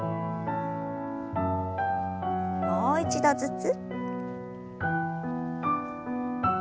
もう一度ずつ。